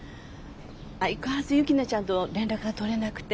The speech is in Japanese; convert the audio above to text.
相変わらず雪菜ちゃんと連絡が取れなくて。